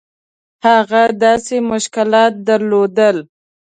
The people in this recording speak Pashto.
هغه داسې مشکلات درلودل.